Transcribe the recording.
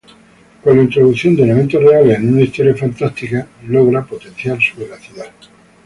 Con la introducción de elementos reales en una historia fantástica, logra potenciar su veracidad.